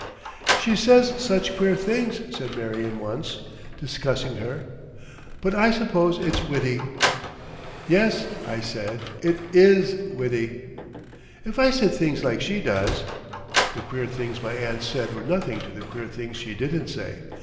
"She says such queer things," said Marion once, discussing her. "But I suppose it's witty." "Yes," I said; "it is witty." "If I said things like she does—" The queer things my aunt said were nothing to the queer things she didn't say.